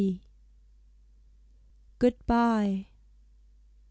GOOD BYE.